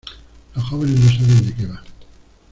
Los jóvenes no saben de qué va.